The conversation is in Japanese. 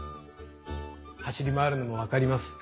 走り回るのも分かります。